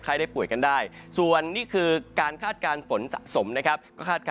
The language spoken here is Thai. ได้ป่วยกันได้ส่วนนี่คือการคาดการณ์ฝนสะสมนะครับ